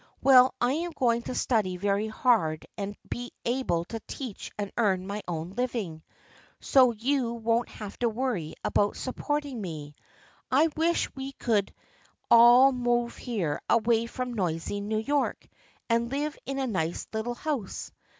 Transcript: Well, I am going to study very hard and be able to teach and earn my own living, so you won't have to worry about supporting me. I wish we could all move here away from noisy New York and live in a nice little house.